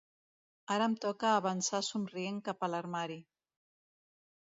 Ara em toca avançar somrient cap a l'armari.